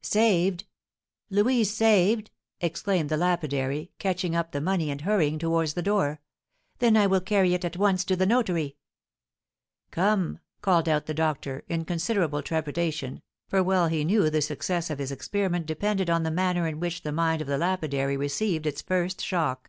"Saved! Louise saved!" exclaimed the lapidary, catching up the money, and hurrying towards the door; "then I will carry it at once to the notary." "Come!" called out the doctor, in considerable trepidation, for well he knew the success of his experiment depended on the manner in which the mind of the lapidary received its first shock.